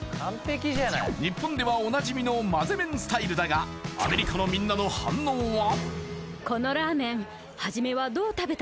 日本ではおなじみの混ぜ麺スタイルだがアメリカのみんなの反応は？